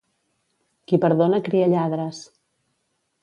Qui perdona cria lladres.